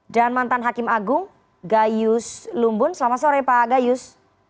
dan mantan hakim agung gayus lumbun selamat sore pak gayus